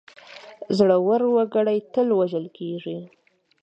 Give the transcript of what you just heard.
زړه ور وګړي تل وژل کېږي.